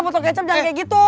potong kecap jangan kaya gitu